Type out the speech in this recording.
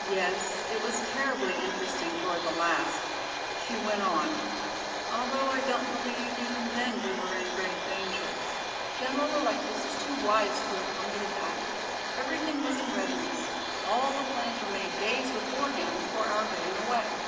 "Yes, it was terribly interesting toward the last," she went on, "although I don't believe even then we were in great danger. General Alexis is too wise to have permitted that. Everything was in readiness; all the plans were made days beforehand for our getting away.